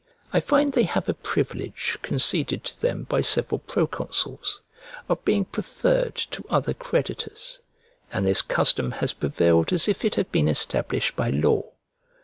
I find they have a privilege conceded to them by several proconsuls, of being preferred to other creditors; and this custom has prevailed as if it had been established by law.